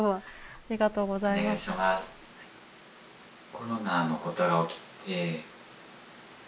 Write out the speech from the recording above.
コロナのことが起きて。